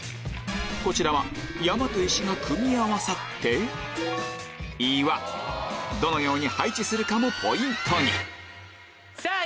こちらは山と石が組み合わさってどのように配置するかもポイントにさぁ